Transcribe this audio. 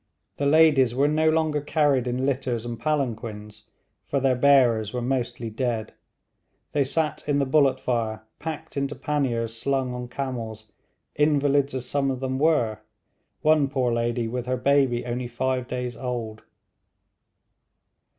The ladies were no longer carried in litters and palanquins, for their bearers were mostly dead; they sat in the bullet fire packed into panniers slung on camels, invalids as some of them were one poor lady with her baby only five days old.